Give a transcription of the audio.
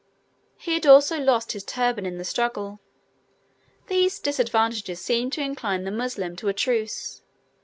He had also lost his turban in the struggle. These disadvantages seemed to incline the Moslem to a truce.